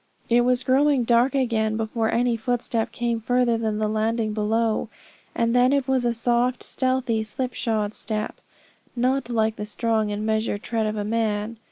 It was growing dark again before any footstep came further than the landing below, and then it was a soft, stealthy, slipshod step, not like the strong and measured tread of a man.